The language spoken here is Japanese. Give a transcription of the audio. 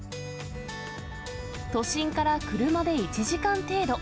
都心から車で１時間程度。